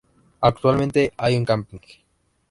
Actualmente hay un camping.